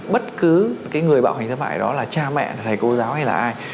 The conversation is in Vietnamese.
bất cứ cái người bạo hành xâm hại đó là cha mẹ là thầy cô giáo hay là ai